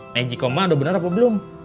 magicom mak udah bener apa belum